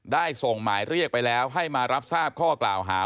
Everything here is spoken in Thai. ส่งหมายเรียกไปแล้วให้มารับทราบข้อกล่าวหา